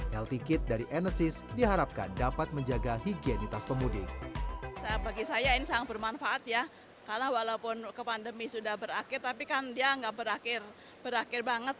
healthy kit dari enesis diharapkan dapat menjaga higienitas pemudik